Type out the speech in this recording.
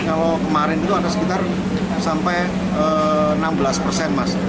kalau kemarin itu ada sekitar sampai enam belas persen mas